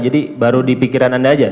jadi baru di pikiran anda saja